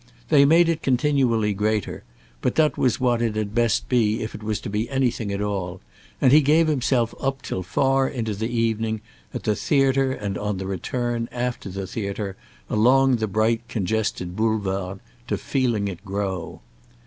They made it continually greater, but that was what it had best be if it was to be anything at all, and he gave himself up till far into the evening, at the theatre and on the return, after the theatre, along the bright congested Boulevard, to feeling it grow.